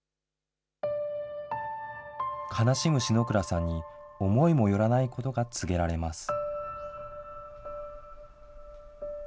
悲しむ篠倉さんに、思いもよらないことが告げられます。